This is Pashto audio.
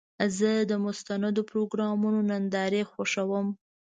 زه د مستندو پروګرامونو نندارې خوښوم.